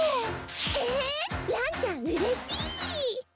えランちゃんうれしい！